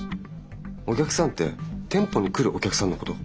お客さんて店舗に来るお客さんのこと？